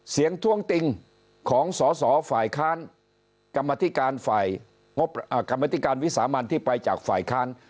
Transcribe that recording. เสียงทวงติ่งของสอสอฝ่ายค้านกรรมธิการวิสามันที่ไปจากฝ่ายค้าน